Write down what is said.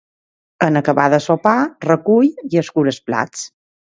En acabar de sopar, recull i escura es plats.